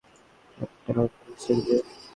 একটা মিল্কশেক দে।